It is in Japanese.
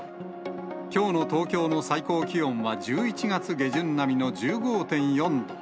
きょうの東京の最高気温は１１月下旬並みの１５．４度。